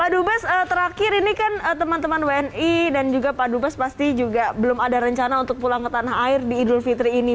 pak dubes terakhir ini kan teman teman wni dan juga pak dubes pasti juga belum ada rencana untuk pulang ke tanah air di idul fitri ini